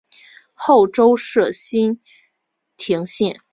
后周设莘亭县。